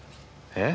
え？